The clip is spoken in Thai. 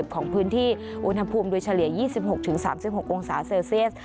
ของพื้นที่อุณหภูมิโดยเฉลี่ย๒๖๓๖องศาเซลเซียส